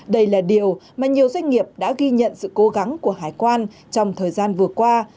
đây là điều mà nhiều doanh nghiệp đã ghi nhận sự cố gắng của hải quan trong thời gian vừa qua